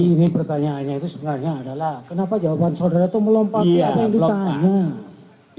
ini pertanyaannya itu sebenarnya adalah kenapa jawaban saudara itu melompat di apa yang ditanya